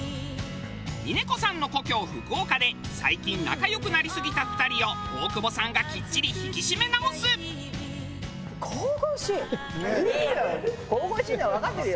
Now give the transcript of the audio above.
峰子さんの故郷福岡で最近仲良くなりすぎた２人を大久保さんがきっちり引き締め直す！いいのよ！